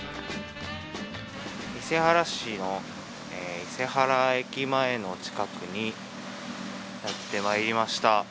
伊勢原市の伊勢原駅前の近くにやってまいりました。